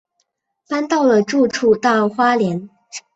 搬了住处到花莲